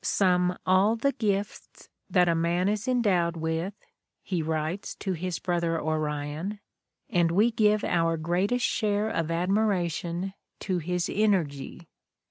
'' Sum all the gifts that man is endowed with," he writes to his brother Orion, "and we give our greatest share of ad miration to his energy.